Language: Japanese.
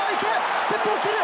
ステップを切る！